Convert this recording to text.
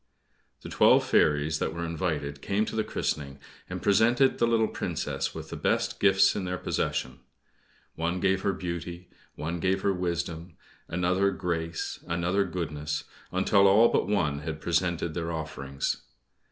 The twelve fairies that were invited came to the christening, and presented the little Princess with the best gifts in their possession. One gave her beauty, one gave her wisdom, another grace, another goodness, until all but one had presented their offerings.